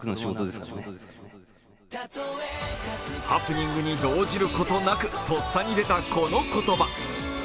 ハプニングに動じることなくとっさに出たこの言葉。